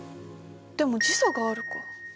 でも時差があるか。